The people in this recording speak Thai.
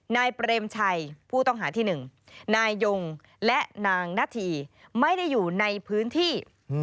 นายเปรมชัยผู้ต้องหาที่๑นายยงและนางนาธีไม่ได้อยู่ในพื้นที่